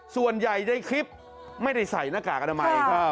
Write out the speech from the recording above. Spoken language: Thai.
ส่วนใหญ่ในคลิปไม่ได้ใส่หน้ากากอนามัย